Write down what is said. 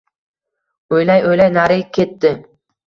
O’ylay-o’ylay nari ketdi —